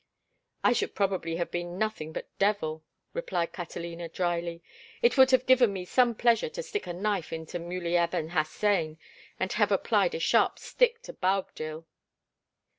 "I should probably have been nothing but devil," replied Catalina, dryly. "It would have given me some pleasure to stick a knife into Muley Aben Hassan, and to have applied a sharp stick to Boabdil."